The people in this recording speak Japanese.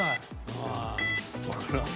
ああわからん。